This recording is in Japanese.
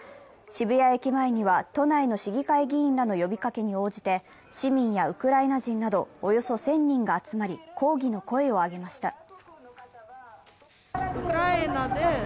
渋谷駅前には都内の市議会議員らの呼びかけに応じて市民やウクライナ人などおよそ１０００人が集まり抗議の声を上げました。